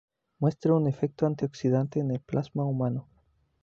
Muestra un efecto antioxidante en el plasma humano.